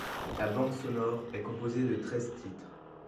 La bande sonore est composée de treize titres.